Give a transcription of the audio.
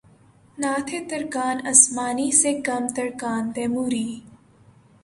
نہ تھے ترکان عثمانی سے کم ترکان تیموری